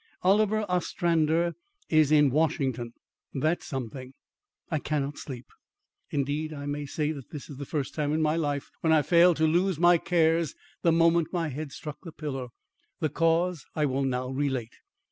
Oliver Ostrander is in Washington. That's something. I cannot sleep. Indeed, I may say that this is the first time in my life when I failed to lose my cares the moment my head struck the pillow. The cause I will now relate.